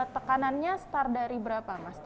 tekanannya start dari berapa mas